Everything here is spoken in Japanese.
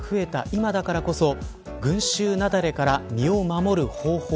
今だからこそ群衆雪崩から身を守る方法